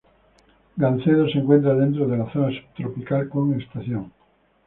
Gancedo se encuentra dentro de la zona subtropical con estación.